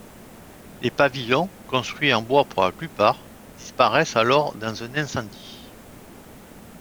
Les pavillons, construits en bois pour la plupart, disparaissent alors dans un incendie.